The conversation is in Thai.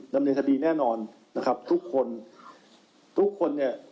ดำเนินคดีแน่นอนนะครับทุกคนทุกคนเนี่ย